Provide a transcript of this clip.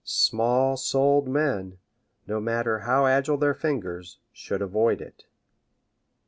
Small souled men, no matter how agile their fingers, should avoid it.